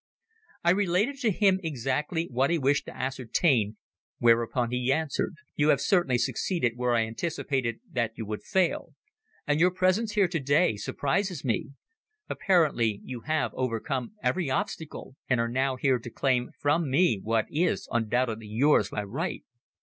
I related to him exactly what he wished to ascertain, whereupon he answered "You have certainly succeeded where I anticipated that you would fail, and your presence here to day surprises me. Apparently you have overcome every obstacle, and are now here to claim from me what is undoubtedly yours by right."